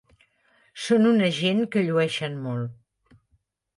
Són una gent que llueixen molt.